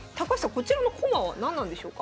こちらの駒は何なんでしょうか？